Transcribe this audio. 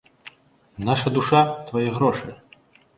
Наша душа, твае грошы!